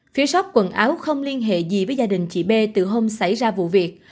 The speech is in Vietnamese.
phía sóc quần áo không liên hệ gì với gia đình chị b từ hôm xảy ra vụ việc